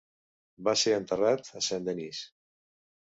Va ser enterrat a Saint-Denis.